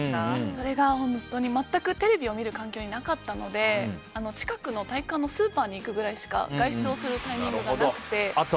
それが、本当に全くテレビを見る環境になかったので近くの体育館のスーパーに行くくらいしか外出をするタイミングがなくて。